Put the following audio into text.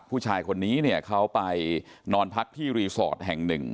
ผู้ชายคนนี้เนี่ยเขาไปนอนพักที่รีสอร์ทแห่งหนึ่ง